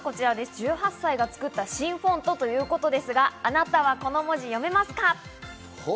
１８歳が作った新フォントということですが、あなたはこの文字、読めますか？